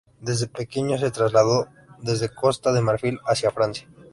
Desde pequeño se trasladó desde Costa de Marfil hacia Francia.